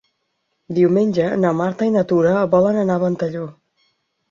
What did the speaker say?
Diumenge na Marta i na Tura volen anar a Ventalló.